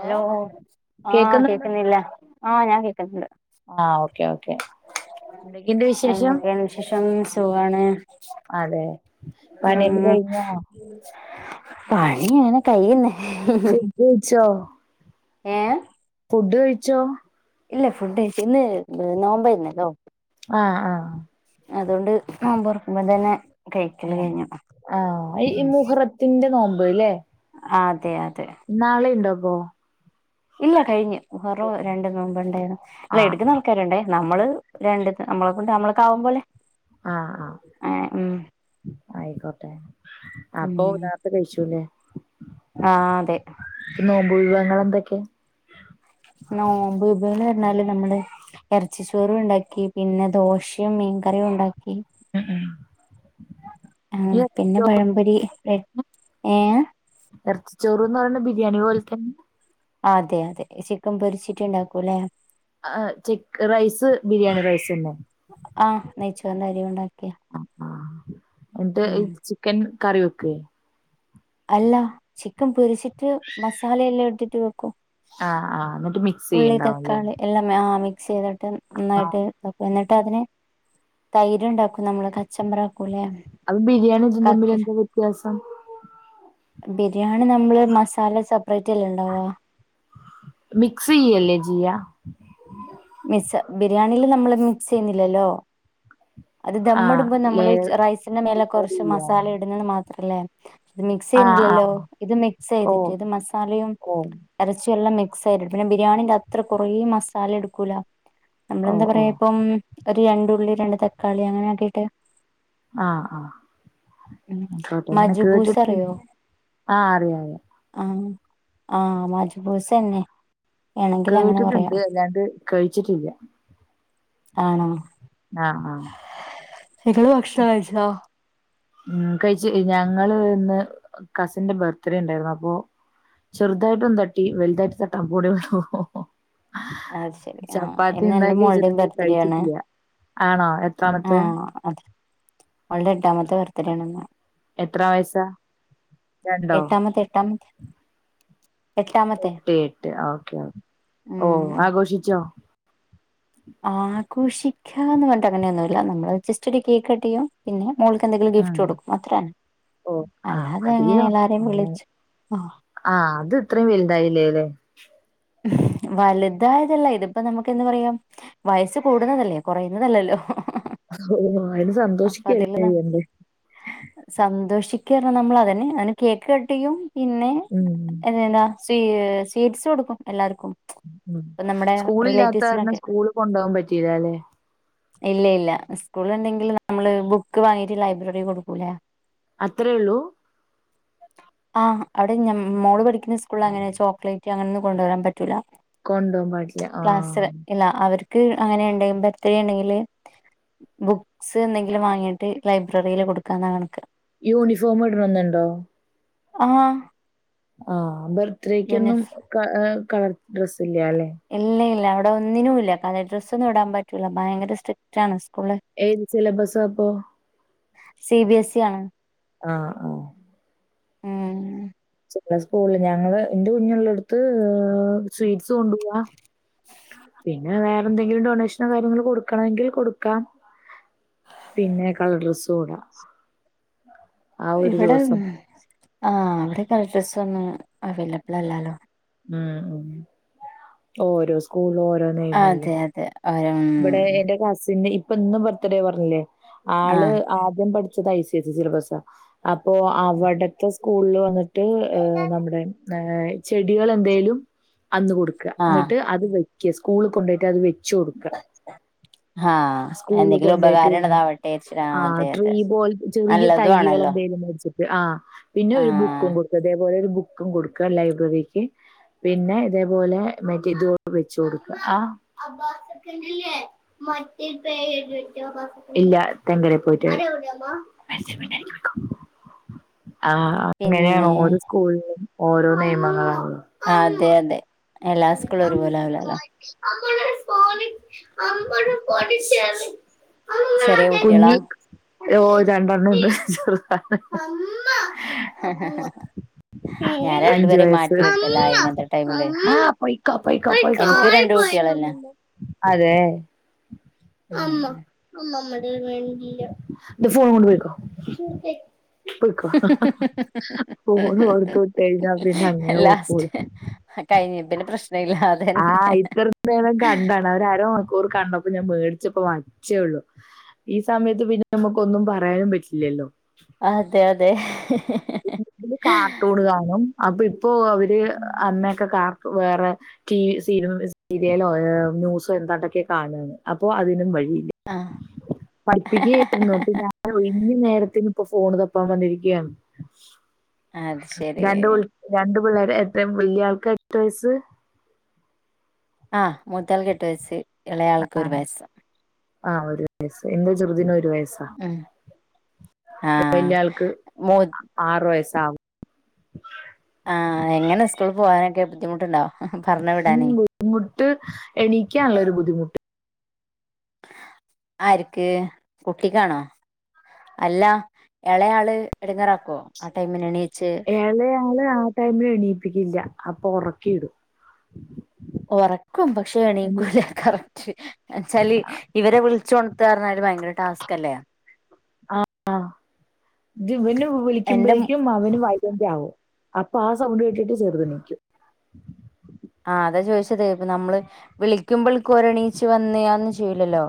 Hello ആഹ് കേക്കുന്നുണ്ടോ കേക്ക്ണില്ലെ ആഹ് ഞാൻ കേക്ക്ന്ന്ണ്ട് ആഹ് ഓക്കെ ഓക്കെ എന്തൊക്കെയുണ്ട് വിശേഷം എന്തൊക്കെ വിശേഷം സുഖാണ് അതെ ഉം പണ്യൊക്കെ കഴിഞ്ഞൊ പണി അങ്ങനെ കയ്യുന്ന് ഫുഡേ [unintelligible] യ്ച്ചോ ഏഹ് ഫുഡ് കഴിച്ചോ ഇല്ല ഫുഡയിച്ചി. ഇന്ന് നോമ്പേര്ന്നല്ലോ. ആഹ് ആഹ് അതോണ്ട് നോമ്പൊറ്ക്കുമ്പം തന്നെ കഴിക്കല് ആഹ് കഴിഞ്ഞു ആഹ് ഈ ഇ മുഹറത്തിന്റെ നോമ്പ് ല്ലേ? അതെയതെ. ബോ ഇല്ല കഴിഞ്ഞ്. മുഹർറോ രണ്ട് നോമ്പ് ഉണ്ടായ്രുന്നു. അല്ല ആഹ് എട്ക്കുന്ന ആൾക്കാരുണ്ടേ നമ്മള് രണ്ട് ന്ന് നമ്മളകൊണ്ട് നമ്മൾക്കാവുമ്പോലെ. ആഹ് ആഹ് ആയിക്കോട്ടെ. ഉം അപ്പൊ നാർത്തെ കഴിച്ചൂല്ലെ. ആഹ് അതെ. ങ്ങളെന്തൊക്കെ നോമ്പ് ബളെ ന്നാല് നമ്മള് എറച്ചി ചോറും ഉണ്ടാക്കി പിന്നെ ദോശയും മീൻകറിയും ഉണ്ടാ ക്കി. ഉം ഉം ആഹ് ഈ പിന്നെ പഴമ്പൊരി ഏഹ് എർച്ചി ചോറ്ന്ന് പറിണ് ബിരിയാണി പോൽ തന്നെ അതെ അതെ. ചിക്കൻ പൊരിച്ചിട്ട്ണ്ടാക്കൂല്ലേ. അഹ് ചിക് റൈസ് ബിരിയാണി റൈസന്നെ. ആ നെയ്ച്ചോറിന്റെ അരി ഉണ്ടാക്കിയ അഹ് ആഹ് എന്നിട്ട് ഈ ഉം ചിക്കൻ കറി വെക്കേ. അല്ല. ചിക്കൻ പൊരിച്ചിട്ട് മസാലയെല്ലാം എടുത്തിട്ട് വെക്കും. ആഹ് ആഹ് മിക്സ് ഉള്ളി ചെയ്യണ്ടാവുംല്ലേ തക്കാളി എല്ലാം മാ ആഹ് മി ക്സ് ചെയ്തിട്ട് ആഹ് നന്നായിട്ട് താക്കും. എന്നിട്ട് അതിന് തൈര് ഉണ്ടാക്കും നമ്മള് കച്ചമ്പരം. അപ്പം ബിരിയാണിം ഇതും തമ്മിലെന്താ വ്യത്യാസം. ബിരിയാണി നമ്മള് മസാല സെപ്പറേറ്റ് അല്ലേ ഇണ്ടാവാ മിക്സിയല്ലേ ചിയ്യ. മിക്സ് ബിരിയാണില് നമ്മള് മിക്സെയ്യുന്നില്ലല്ലോ അത് ആഹ് ദമ്മിടുമ്പോ നമ്മള് ലെയർ റൈസിന്റെ മേലെ ലെയർ കൊറച്ച് ചെയ്യാ മസാല ഇടുന്ന ന്ന് മാത്രല്ലേ. ഇത് മിക്സ് ആഹ് ആഹ് ചെയ്യുന്നില്ലല്ലോ ഇത് മിക്സ് ഓ ചെയ്തിട്ട് ഇത് മസാലയും ഓ എറച്ചും എല്ലാം മിക് സായിറ്റ്ടും പിന്നെ ബിരിയാണിന്റെ അത്ര കൊറേ മസാല എടുക്കൂല ഓ നമ്മളെന്താ ഓ പറയാ ഇപ്പം ഒരു രണ്ടുള്ളി രണ്ട് തക്കാളി അങ്ങനെയാക്കീട്ട് ആഹ് ആഹ് അയ്ക്കോട്ടെ ഇങ്ങനെ മജുബൂസ കേട്ടിട്ട് അറിയോ [inaudible] ആഹ് അറിയാ അറിയാ ആഹ് ആഹ് മജ്ബൂസെന്നെ കേട്ട്ട്ട്ണ്ട് അല്ലാണ്ട് കഴിച്ചിട്ടില്ല്യ. ആണോ? ആഹ് ആഹ് നിങ്ങള് ഭക്ഷണം കഴിച്ചോ? ഉം കഴിച്ച് ഞങ്ങള് ഇന്ന് കസിന്റെ ബർത്ത്ഡേ ഇണ്ടായിരുന്നു അപ്പോ, ചെറ്തായിട്ടൊന്ന് തട്ടി വലുതായിട്ട് തട്ടാൻ പോണേ ഉള്ളൂ. അത് ശരി ആഹ് ചപ്പാത്തി ഇന്ന് എന്റെ ഇണ്ടാക്കി മോളുടെയും വച്ചിട്ട്ണ്ട് ബർത്ത്ഡേ ആണ് കഴിച്ചിട്ടില്ല. ആണോ എത്രാമത്തെ? ആഹ് അതെ അവളുടെ എട്ടാമത്തെ ബെർത്ഡേയ് ആണ് ഇന്ന് എത്ര വയസാ രണ്ടോ എട്ടാമത്തെ എട്ടമത്തെ എട്ട് എട്ട് ഓക്കെ ഓ ഉം ആഘോഷിച്ചോ ആഘോഷിക്കാന്ന് പറഞ്ഞിട്ട് അങ്ങനെയൊന്നുമല്ല നമ്മള് ജസ്റ്റ് ഒരു കേക്ക് കട്ട്‌ ചെയ്യാ പിന്നെ മോൾക്ക് എന്തെങ്കിലും ഉം ഗിഫ്റ്റ് കൊടുക്കും അത്ര തന്നെ ഓ അല്ലാതെ അങ്ങനെ എല്ലാരെയും വിളിച്ച് ആഹ് ആ അത് ഇത്രയും വലുതായില്ലേല്ലേ [inaudible] വലുതായതല്ല ഇതിപ്പോ നമുക്ക് എന്ത് പറയാം വയസ്സ് കൂടുന്നതല്ലേ കൊറയുന്നതല്ലല്ലോ ഓ അയിന് സന്തോഷിക്കല്ലേ അതില് ചെയ്യണ്ടേ [unintelligible] നമ്മൾ അതന്നെ അന് കേക്ക് കട്ട്‌ ചെയും പിന്നെ ഉം [unintelligible] സ്വീ സ്വീറ്റ്‌സ് കൊടുക്കും എല്ലാവർക്കും ഉം സ്കൂൾ ഇല്ലാത്ത കാരണം റിലേറ്റീവ്സിനൊക്കെ സ്കൂള് കൊണ്ടോവാൻ പറ്റിയില്ലല്ലെ ഇല്ല ഇല്ല സ്കൂൾ ഇണ്ടെങ്കിൽ നമ്മള് ബുക്ക് വാങ്ങീട്ട് ലൈബ്രറി കൊടുക്കൂല്ലേ അത്രേ ഉള്ളു ആ അവിടെ ഞ മോള് പഠിക്കുന്ന സ്കൂളിൽ അങ്ങനെ ചോക്ലേറ്റ് അങ്ങനൊന്നും കൊണ്ടുവരാൻ പറ്റ റ്റൂല കൊണ്ടോവാൻ പാടില്ല ക്ലാസ് ആഹ് ഇല്ല അവർ ക്ക് അങ്ങനെ ഉണ്ടെ ബർത്ത്ഡേ ഉണ്ടെങ്കില് ബുക്സ് എന്തെങ്കിലും വാങ്ങിട്ട് ലൈബ്രറിയില് കൊടുക്കാന്ന കണക്ക് യൂണിഫോം ഇടണോന് ഇണ്ടോ ആഹ് ആ ബെർത്ഡേക്കോനും യൂനിഫ് ക കളർ ഡ്രസ്സ്‌ ഇല്ല അല്ലെ ഇല്ല ഇല്ല അവിടെ ഒന്നിനും ഇല്ല കളർ ഡ്രസ്സ്‌ ഒന്നും ഇടാൻ പറ്റൂല ഭയങ്കര സ്ട്രിക്റ്റ് ആണ് സ്കൂള് ഏത് സില്ലാബസാ അപ്പോ സി ബി എസ് ഇ ആണ് ആ ആ ഉം സ്കൂൾ ഞങ്ങൾ ഇന്റെ കുഞ്ഞുള്ളട്ത്ത് ഹ് സ്വീറ്റ്സ് കൊണ്ടുപോവാ പിന്നെ വേറെ എന്തെങ്കിലും ഡോനേഷനോ കാര്യങ്ങൾ കൊടുക്കണമെങ്കിൽ കൊടുക്കാം പിന്നെ കളർ ഡ്രെസ്സും ഇടം ഇവടെ ആ ഇവടെ കളർ ഡ്രസ്സ് ഒന്നും അവൈലബിൾ അല്ലാലോ ഉം ഓരോ സ്കൂളും ഓ അതെ അതെ അവര് ഉം ഇവിടെ എന്റെ കസിന് ഇപ്പൊ ഇന്നും ബർത്ത്ഡേ പറഞ്ഞില്ലേ ആള് ആഹ് ആദ്യം പഠി ച്ചത് ഐ സി ഐ സി സിലബസ്സ അപ്പൊ അവിടത്തെ സ്കൂളിൽ വന്നിട്ട് ആ നമ്മുടെ ആ ചെടികൾ എന്തേലും അന്ന് കൊടുക്ക ആഹ് എന്നിട്ട് അത് വെ ക്ക് സ്കൂളിൽ കൊണ്ടോട്ട് അത് വെച്ച് കൊടുക്ക ആഹ് സ്കൂളിൽ എന്തെങ്കിലും കൊണ്ടോയിട്ട് ഉപകാരമുള്ളതാവട്ടെ വിചാരിച്ചിട്ട് ആ ആഹ് അതെ ട്രീ അതെ പോലെ ചെറിയ നല്ലതും തൈകള് ആണല്ലോ എന്തേലും മേടിച്ചിട്ട് ആ പിന്നെ ഒരു ആഹ് ബുക്കും കൊടുക്കും അതേപോലെ ഒരു ബു ബുക്കും കൊടുക്ക ലൈബ്രറിക്ക് പിന്നെ ഇതേപോലെ മറ്റേ ഇത് വെച്ച് കൊടുക്ക ആ ഇല്ല [unintelligible] ആ അങ്ങനെയാണ് പിന്നെ ഓരോ സ്കൂളിലും ഓരോ നേമങ്ങളാണ് ഉള്ള അതെ അതെ എല്ലാ സ്കൂളും ഒരുപോലാവുല്ലല്ലോ [unintelligible] ചെറെ കുട്ടെളാ കുഞ്ഞു ഓ രണ്ടെണ്ണം ഉണ്ട് ചെർതാണ് [inaudible] ഞാൻ രണ്ടുപേരെയും അഞ്ചുവയസ്സ് മാറ്റി വെക്കലാ ഇങ്ങനത്തെ ടൈമില് പൊയ്ക്കോ പൊയ്ക്കോ എനിക്കും രണ്ട് കുട്ടികൾ തന്നെ [unintelligible] ഉം ഫോണും കൊണ്ട് പെയ്ക്കോ ഫോണ് കൊട്ത്ത് വിട്ട് കഴിഞ്ഞാ പിന്നെ അങ്ങനെ ഒക്കൊ ലാസ്റ്റ് [unintelligible] കഴിഞ്ഞ പിന്നെ പ്രശ്നം ഇല്ല ആഹ് അതന്നെ ഇത്ര നേരം കണ്ടാണ് അവരാരോ ക്കൂറ് കണ്ടപ്പം ഞാൻ മേടിച്ച്പ്പോ വച്ചേള്ളൂ ഈ സമയത്ത് പിന്നെ നമുക്ക് ഒന്നും പറയാനും പറ്റില്ല്യല്ലോ. അതെ അതെ [unintelligible] ഇതില് കാർട്ടൂണ് കാണും. അപ്പ ഇപ്പോ അവര് അമ്മേക്കെ കാർട്ടു വേറെ ടി വി സീ സീരിയലോ ഏഹ് ന്യൂസ് എന്താണ്ടോക്കെ കാണാണ് അപ്പോ അതിനും വഴി ആഹ് പഠിപ്പിക്കയായിരുന്നു അപ്പൊ ഞാൻ ഒഴിഞ്ഞ നേരത്തിന് ഫോൺ തപ്പാൻ വന്നിരിക്കാണ് അത് രണ്ട് ശരി പിള്ളേ രണ്ട് പിള്ളേർ എത്രയും വല്യ ആൾക്ക് എട്ട് വയസ്സ് ആ മൂത്താൾക്ക് എട്ട് വയസ്സ് എളയാൾക്ക് ഒരു വയസ്സ്. ആ ഒരു വയസ്സ് എൻ്റെ ചെറുതിന് ഒരു വയ സ ഉം ആഹ് വലിയ ആൾക്ക് മൂ ആറ് വയസ്സാവു ആഹ് എങ്ങനെ സ്കൂളി പോവാനൊക്കെ ബുദ്ധിമുട്ടുണ്ടോ? പറഞ്ഞു വിടാനേ മ്മ് ബുദ്ധിമുട്ട് എണിക്കാനുള്ളൊരു ബുദ്ധിമുട്ട്. ആര്ക്ക് കുട്ടിക്കാണോ? അല്ല എളയാള് എടുങ്ങറാക്കോ ആ ടൈമിന് എണീച്ച് അലയ ആ ടൈമില് എണീപ്പിക്കില്ല അപ്പൊ ഒറക്കിടും. ഒറക്കും പക്ഷെ എണീക്കൂല കറക്റ്റ് എന്നച്ചാല് ഇവരെ വിളിച്ചോ ത്ത് പറഞ്ഞാല് വയങ്കര ടാസ്ക് അല്ലേ? ആഹ് ഇതിവന് എന്റെ വിളിക്കുമ്പോഴേക്കും അവന് വൈലന്റ് ആവും. അപ്പ ആ സൗണ്ട് കേട്ടിട്ട് ചെറുതെണീക്കും. ആഹ് അതാ ചോദിച്ചത് ഇപ്പ നമ്മള് വിളിക്കുമ്പൾക്ക് ഓരെണീച്ച് വന്ന് അ ഒന്നും ചെയ്യില്ലല്ലോ.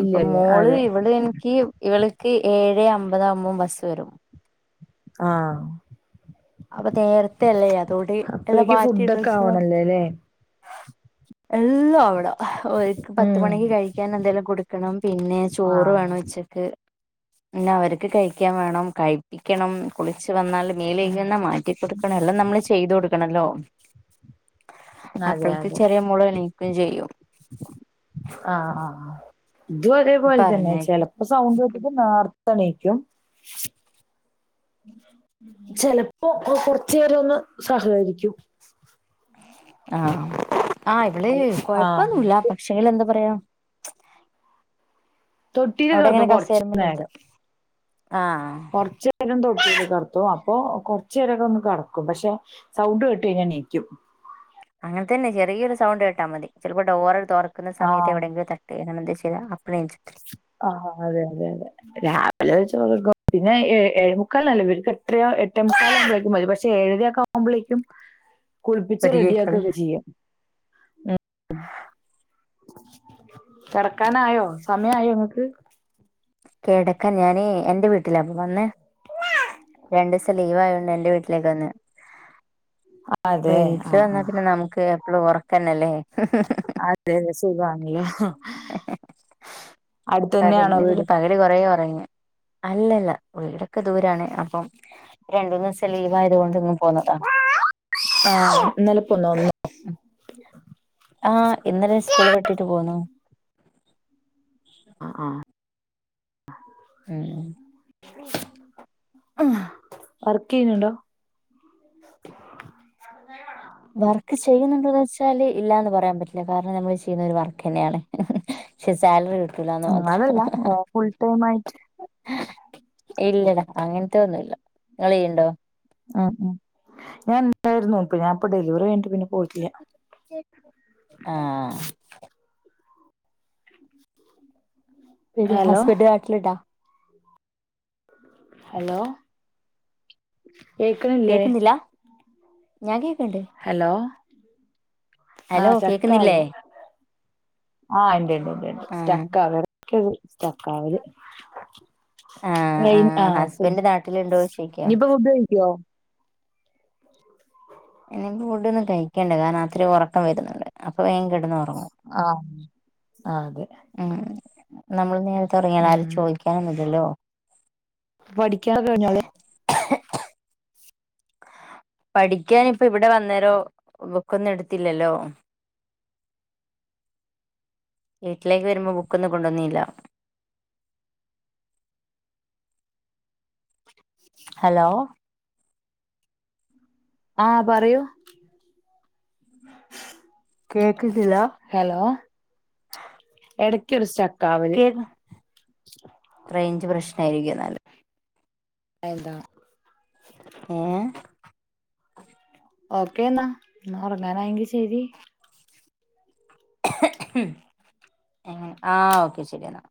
ഇല്ല ഇല്ല. മോള് അതെ. ഇവടെ എനിക്ക് ഇവള് ക്ക് ഏഴ് അമ്പതാവുമ്പം ബസ് വരും. ആഹ്. അപ്പ തേരത്തെ അല്ലേ അതോണ്ട് എല്ലാം അപ്പളേക്ക് മാറ്റി ഫുഡൊക്കെ ഡ്രസ് ആവണല്ലോ ല്ലേ? എല്ലാം അവിട. ഒരു പത്ത് ഉം. മണിക്ക് കഴിക്കാൻ എന്തെലും കൊടുക്കണം പിന്നെ ചോറ് ആഹ്. വേണം ഉച്ചക്ക് പിന്ന അവർക്ക് കഴിക്കാൻ വേണം കഴപ്പിക്കണം കുളിച്ചു വന്നാൽ മേളി ജ്ജന്നെ മാറ്റി കൊടുക്കണം എല്ലം നമ്മള് ചെയ്ത് കൊടുക്കണല്ലോ. അതെ അപ്പോൾക്ക് അതെ. ചെറിയ മോള് എണീക്കുകയും ചെയ്യും. ആഹ് ആഹ്. ഇതും അതേപോലെ തന്നെ പറഞ്ഞയക്കും ചെലപ്പ സൗണ്ട് കേട്ടിട്ട് നേർത്തെ എണിക്കും. ചെലപ്പോ കൊ കൊർച്ചേരം ഒന്ന് സഹകരിക്കും. ആഹ് ആഹ് ഇവള് ആഹ്. കൊഴപ്പൊന്നുയില്ല. പക്ഷേലെന്താ പറയാ തൊട്ടില് അവിടെങ്ങനെ കെടത്തും കസേരമല് എഴുത. കൊർച്ച് നേരം തൊട്ടി കടത്തും അപ്പൊ കൊർച്ച് നേരൊക്കെ ഒന്ന് കടക്കും. പക്ഷെ സൗണ്ട് കേട്ട് കഴിഞ്ഞാ എണീക്കും. അങ്ങൻ ത്തന്നെ ചെറിയൊരു സൗണ്ട് കേട്ടാ മതി. ചെലപ്പോ ഡോറ് തൊറക്കുന്ന സമയത്തെവിടെയെങ്കിലും തട്ടെ അങ്ങനെ എന്തേലും. ആഹ് ആഹ് അതെ അതെ അതെ രാവിലെ [unintelligible] പിന്നെ ഏ ഏഴുമുക്കാലിനല്ലെ. ഇവര്ക്ക് എട്ടരയൊ എട്ടേ മുക്കാലകുമ്പേക്കും വരും. പക്ഷേ ഏഴരക്കേ ആവുമ്പോളെ കുളിപ്പിച്ച് പരിചയിക്കണില്ല റെഡിയാക്കൊക്ക ചെയ്യ. ഉം കെടക്കാനായോ? ഞങ്ങക്ക് കെടക്കാൻ ഞാനേ എന്റെ വീട്ടിലാ അപ്പ വന്നേ രണ്ടുസം ലീവായോണ്ട് എന്റെ വീട്ടിലേയ്ക്ക് വന്ന്. അതെ വീട്ടില് ആഹ് വന്നാ ആഹ് പിന്നെ നമുക്ക് എപ്പളും ഒറക്കന്നെല്ലേ അതെ സുഖാണല്ലോ. അടുത്ത് തന്നെയാണോ വീട്? കൊറെ ഒറങ്ങ. അല്ലല്ല വീടൊക്കെ ദൂരാണ് അപ്പം രണ്ട മൂന്ന് ദിവസം ലീവ ആയത് കൊണ്ട് ഇന്നു പോന്നതാ ആഹ് ഇന്നലെ പോന്നൊന്ന് ഉം ആഹ് ഇന്നലെ സ്കൂള് വിട്ടിട്ട് പോന്നു. ആഹ് ആഹ് [unintelligible] ആഹ് വർക്ക് ചെയ്യ്ന്ന്ണ്ടോ ചെയ്യ്ന്ന് ഇണ്ടോന്നോയ്ച്ചാൽ ഇല്ലാന്ന് പറയാൻ പറ്റില്ല കാരണം നമ്മെൾ ചെയ്യ്ന്നെ ഒര് വർക്കെന്നെയാണ് പക്ഷെ സാലറി കിട് അങ്ങാട് അല്ല ഓ ഫുൾ ടൈം ആയിറ്റ് ഇല്ലെടാ അങ്ങെൻത്തെ ഒന്നും ഇല്ല ഇങ്ങെൾ ചെയ്യ്ണ്ടോ? ആഹ് ഉം ഞാ ഇണ്ടായിരുന്നു ഇപ്പം ഞാ ഇപ്പ ഡെലിവെറി കഴ്ഞ്ഞിട്ട് ആഹ് പിന്നെ ഹലോ ഹസ്ബെന്റ് നാട്ടിൽ ഇണ്ടാ ഹലോ കേക്ക്ണ് ഇല്ലെ? ഞാ കേക്ക് ഹലോ ഹലോ ആഹ് കേക്ക്ന്നില്ലെ? സ്റ്റക്കാവാ ആഹ് ഇണ്ട് ഇണ്ട് ഇണ്ട് ഇണ്ട് ആഹ് സ്റ്റെക്കാകാണ് എടെക്ക് ഒര് സ്റ്റെക്ക് ആവെൽ [unintelligible] ആഹ് ആ [unintelligible] ആഹ് ഹസ്ബൻഡ് നാട്ടിലുണ്ടോ ചോദിക്കാ ഇഞ്ഞ് ഇപ്പം ഉപയോയിക്കോ? എനെക്ക് ഫുഡൊന്നും കഴിക്കെണ്ട കാര്ണം അത്രേം ഒറക്കം വെര്ന്ന്ണ്ട് അപ്പ വേം കെട് കെട്ന്ന് ഒറങ്ങും ആഹ് ആഹ് അതെ ഉം നമ്മെൾ നേരെത്തെ ഒറങ്ങിയാൽ ആരും ചോയിക്കാനൊന്നു ഇല്ലല്ലോ? പഠിക്കാൻ ഒക്കെ കഴിഞ്ഞാവോലെ? പഠിക്കാൻ ഇപ്പ ഇബിടെ വന്നാരെ ബുക്കൊന്നും എട്ത്തില്ലല്ലോ? വീട്ടിലേക്ക് വെരുമ്പോ ബുക്കൊന്നും കൊണ്ടന്നീല്ല ഹലോ ആഹ് പറയൂ കേക്കുന്നില്ല ഹലോ എടക്കൊരു സ്‌റ്റ കേക്ക റേഞ്ച് പ്രശ്ന ആരിക്കും എന്നല് അതാ ഏഹ് ഓക്കേ എന്നാ എന്ന ഒറങ്ങാനായെങ്കി ശരി എങ്ങനെ ആഹ് ഓക്കെ ശരി എന്നാ